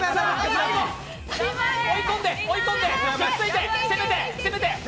最後、追い込んで、追い込んで、くっついて、攻めて、攻めて。